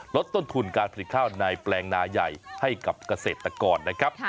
ลดต้นทุนการผลิตข้าวในแปลงนาใหญ่ให้กับเกษตรกรนะครับ